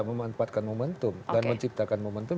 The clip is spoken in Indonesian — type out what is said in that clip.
memanfaatkan momentum dan menciptakan momentum